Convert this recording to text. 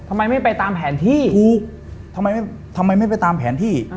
ทำไมไม่ไปตามแผนที่ถูกทำไมทำไมไม่ไปตามแผนที่